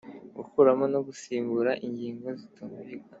Gukuramo no gusimbura ingingo zitumvikana